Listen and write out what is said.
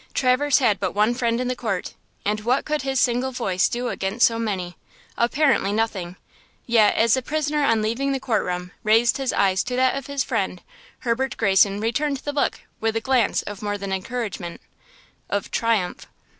Traverse had but one friend in the court, and what could his single voice do against so many? Apparently nothing: yet, as the prisoner on leaving the court room, raised his eyes to that friend, Herbert Greyson returned the look with a glance of more than encouragement–of triumph.